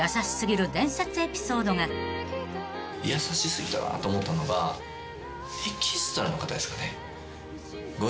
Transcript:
優し過ぎだなと思ったのがエキストラの方ですかね。